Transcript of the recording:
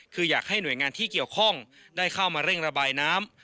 คืออยากให้หน่วยงานที่เกี่ยวข้องได้เข้ามาเร่งระบายน้ำ